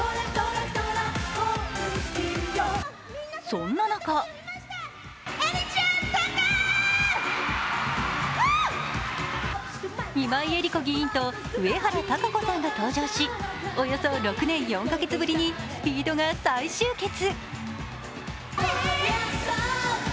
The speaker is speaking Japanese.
そんな中今井絵理子議員と上原多香子さんが登場しおよそ６年４か月ぶりにＳＰＥＥＤが再集結。